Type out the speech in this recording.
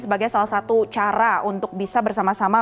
sebagai salah satu cara untuk bisa bersama sama